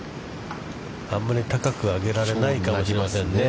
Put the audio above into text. あんまり高くは上げられないかもしれませんね。